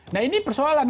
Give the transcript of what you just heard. nah ini persoalan